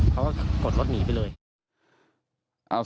เขาก็กดรถหนีไปเลย